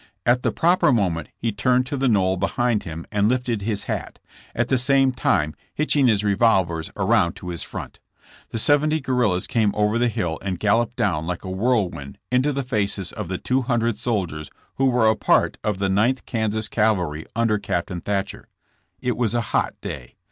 At the proper moment he turned to the knoll behind him and lifted his hat, at the same time hitching his revolvers around to his front. The seventy guer rillas came over the hill and galloped down like a whirlwind into the faces of the two hundred soldiers who were a part of the Ninth Kansas cavalry under Capt. Thatcher. It was a hot day.